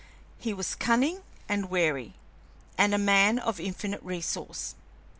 He was cunning and wary, and a man of infinite resource.